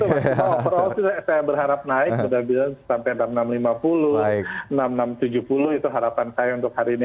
saya overall saya berharap naik mudah mudahan sampai enam ribu enam ratus lima puluh enam ribu enam ratus tujuh puluh itu harapan saya untuk hari ini